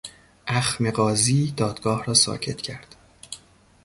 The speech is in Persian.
اخم قاضی، دادگاه را ساکت کرد.